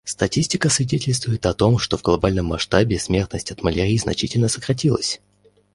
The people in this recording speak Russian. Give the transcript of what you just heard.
Статистика свидетельствует о том, что в глобальном масштабе смертность от малярии значительно сократилась.